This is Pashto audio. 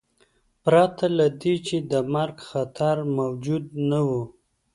پرته له دې چې د مرګ خطر موجود نه و.